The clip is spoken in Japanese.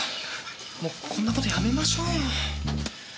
もうこんな事やめましょうよ。